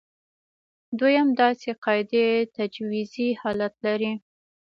دویم دا چې قاعدې تجویزي حالت لري.